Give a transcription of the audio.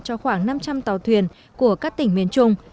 cho khoảng năm trăm linh tàu thuyền của các tỉnh miền trung